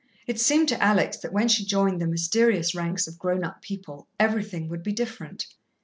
It seemed to Alex that when she joined the mysterious ranks of grown up people everything would be different.